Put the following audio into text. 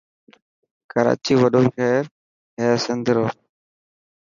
ڪراچي وڏو شهر هي سنڌرو.